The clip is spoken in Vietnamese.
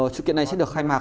sự kiện này sẽ được khai mạc